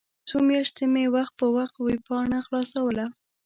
څو میاشتې مې وخت په وخت ویبپاڼه خلاصوله.